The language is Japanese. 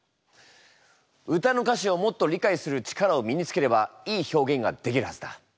歌の歌詞をもっと理解する力を身につければいい表現ができるはずだ。